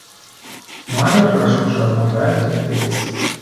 Малер рашуча адмаўляе такі тэзіс.